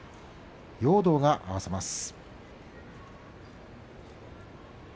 容堂が合わせます。